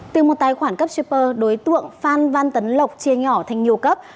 từ một tài khoản cấp jper đối tượng phan văn tấn lộc chia nhỏ thành nhiều cấp